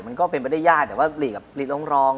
มันก็เป็นไม่ได้ยากแต่ว่าลีกลองรอง